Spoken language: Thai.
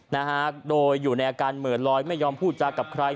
นะฮะโดยอยู่ในอาการเหมือนลอยไม่ยอมพูดจากับใคร